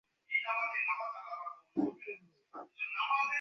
ঠাকুরপো, এ কথা নিয়ে ঠাট্টা কোরো না।